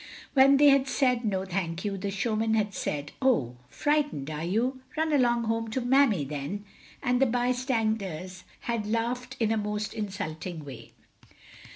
When they had said, "No, thank you," the showman had said, "Oh, frightened, are you? Run along home to Mammy then!" and the bystanders had laughed in a most insulting way.